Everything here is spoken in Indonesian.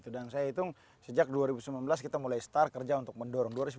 dan saya hitung sejak dua ribu sembilan belas kita mulai start kerja untuk mendorong